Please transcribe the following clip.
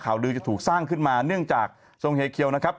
ลือจะถูกสร้างขึ้นมาเนื่องจากทรงเฮเคียวนะครับ